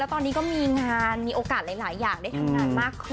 ตอนนี้ก็มีงานมีโอกาสหลายอย่างได้ทำงานมากขึ้น